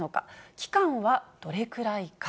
期間はどれくらいか。